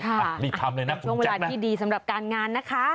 ค่ะรีบทำเลยนะคุณแจ๊ปนะเป็นเวลาที่ดีสำหรับการงานนะคะ